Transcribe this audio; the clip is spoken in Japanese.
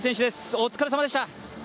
お疲れさまでした。